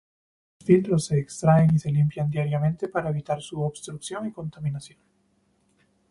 Los filtros se extraen y se limpian diariamente para evitar su obstrucción y contaminación.